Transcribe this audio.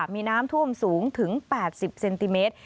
มีน้ำท่วมสูงถึง๘๐เซนติเมตร